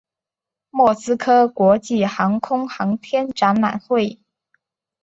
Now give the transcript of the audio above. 莫斯科国际航空航天展览会。